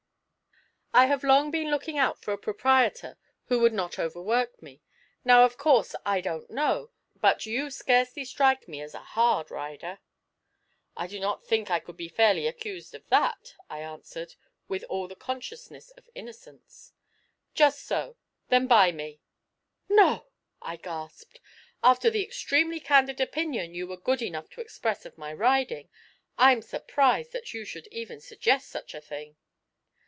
'I have long been looking out for a proprietor who would not overwork me: now, of course, I don't know, but you scarcely strike me as a hard rider.' 'I do not think I could be fairly accused of that,' I answered, with all the consciousness of innocence. 'Just so then buy me.' 'No,' I gasped: 'after the extremely candid opinion you were good enough to express of my riding, I'm surprised that you should even suggest such a thing.'